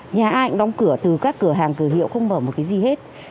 nhà ai cũng đóng cửa từ các cửa hàng cửa hiệu không mở một cái gì hết